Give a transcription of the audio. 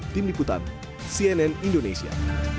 tim nikutan cnn indonesia